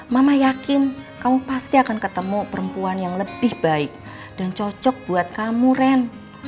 mama yakin kamu pasti akan ketemu perempuan yang lebih baik dan cocok buat kamu ren